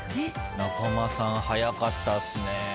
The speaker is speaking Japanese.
中間さん早かったっすね。